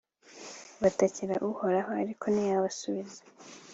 batakira uhoraho ariko ntiyabasubiza